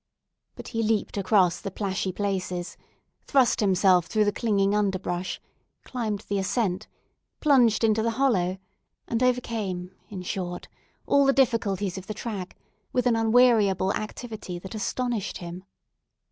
But he leaped across the plashy places, thrust himself through the clinging underbrush, climbed the ascent, plunged into the hollow, and overcame, in short, all the difficulties of the track, with an unweariable activity that astonished him.